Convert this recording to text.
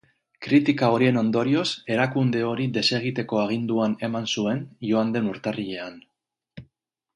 Kritika horien ondorioz, erakunde hori desegiteko aginduan eman zuen joan den urtarrilean.